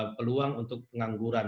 peluang untuk pengangguran